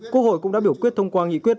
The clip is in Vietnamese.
quốc hội cũng đã biểu quyết thông qua nghị quyết